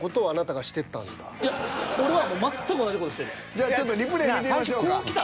じゃあちょっとリプレイ見てみましょうか。